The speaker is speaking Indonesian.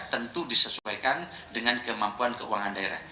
tentu disesuaikan dengan kemampuan keuangan daerah